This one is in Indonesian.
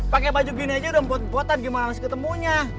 pake baju gini aja udah mempot potan gimana masih ketemunya